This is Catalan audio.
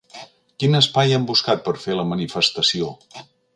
Quin espai han buscat per fer la manifestació?